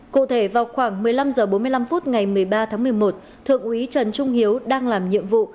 cụ thể vào khoảng một mươi năm h bốn mươi năm phút ngày một mươi ba tháng một mươi một thượng úy trần trung hiếu đang làm nhiệm vụ